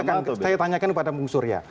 akan saya tanyakan kepada bung surya